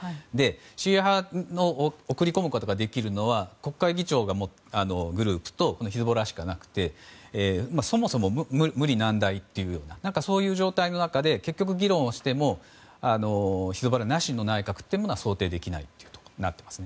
シーア派を送り込むことができるのは国会議長のグループとヒズボラしかなくてそもそも無理難題というそういう状態の中で結局議論をしてもヒズボラなしの内閣は想定できないことになっています。